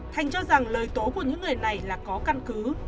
thành cho rằng lời tố của những người này là có căn cứ